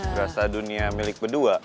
berasa dunia milik berdua